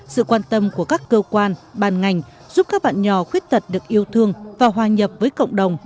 sự quan tâm của các cơ quan bàn ngành giúp các bạn nhỏ khuyết tật được yêu thương và hòa nhập với cộng đồng